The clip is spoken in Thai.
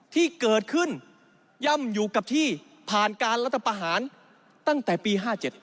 ที่เกิดขึ้นย่ำอยู่กับที่ผ่านการรัฐประหารตั้งแต่ปี๕๗